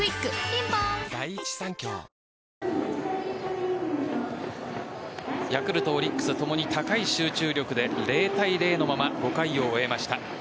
ピンポーンヤクルト、オリックス共に高い集中力で０対０のまま５回を終えました。